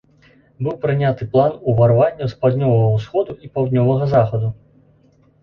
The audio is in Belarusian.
Быў прыняты план ўварвання з паўднёвага ўсходу і паўднёвага захаду.